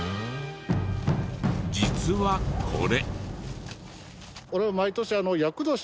実はこれ。